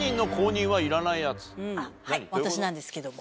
はい私なんですけども。